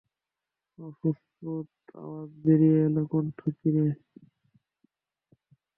অস্ফুট আওয়াজ বেরিয়ে এল কণ্ঠ চিরে।